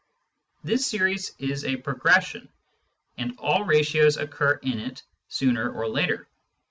This series is a progression, and all ratios occur in it sooner or later.